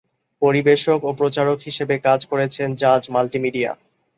পরিবেশক ও প্রচারক হিসেবে কাজ করেছেন জাজ মাল্টিমিডিয়া।